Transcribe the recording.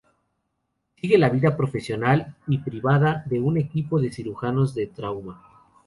Sigue la vida profesional y privada de un equipo de cirujanos de trauma.